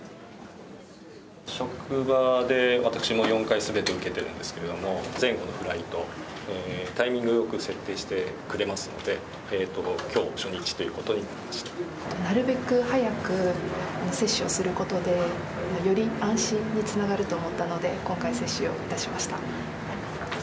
職場で私もう４回すべて受けてるんですけども、前後のフライト、タイミングよく設定してくれますので、きょう初日ということにななるべく早く接種をすることで、より安心につながると思ったので、今回、接種をいたしました。